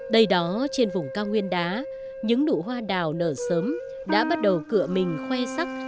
đây đó trên vùng cao nguyên đá những đụ hoa đào nở sớm đã bắt đầu cửa mình khoe sắc